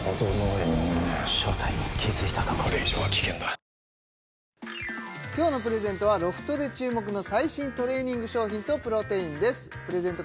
コオロギか今日のプレゼントはロフトで注目の最新トレーニング商品とプロテインですプレゼント